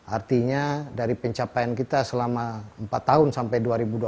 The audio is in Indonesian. artinya dari pencapaian kita selama empat tahun sampai dua ribu dua puluh empat